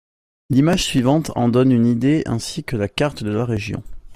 L'image suivante en donne une idée ainsi que la carte de la région.